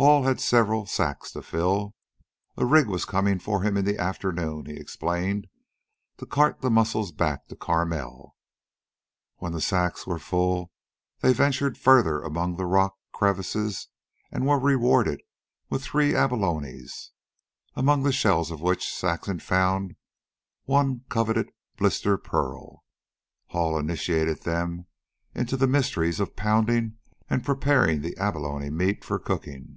Hall had several sacks to fill. A rig was coming for him in the afternoon, he explained, to cart the mussels back to Carmel. When the sacks were full they ventured further among the rock crevices and were rewarded with three abalones, among the shells of which Saxon found one coveted blister pearl. Hall initiated them into the mysteries of pounding and preparing the abalone meat for cooking.